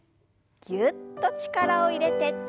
ぎゅっと力を入れて。